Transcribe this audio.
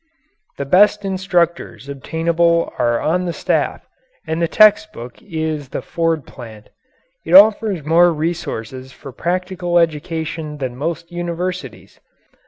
The best instructors obtainable are on the staff, and the text book is the Ford plant. It offers more resources for practical education than most universities.